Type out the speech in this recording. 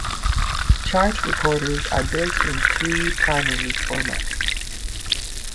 Chart recorders are built in three primary formats.